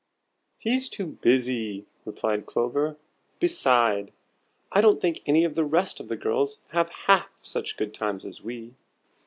"He's too busy," replied Clover. "Beside, I don't think any of the rest of the girls have half such good times as we.